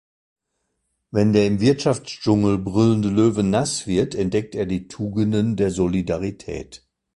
Wenn der im Wirtschaftsdschungel brüllende Löwe nass wird, entdeckt er die Tugenden der Solidarität.